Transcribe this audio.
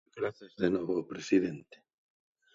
Grazas, de novo, presidente.